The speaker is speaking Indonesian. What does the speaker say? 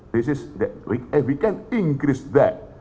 jika kita bisa meningkatkan itu